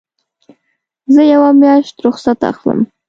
زه یوه میاشت رخصت اخلم.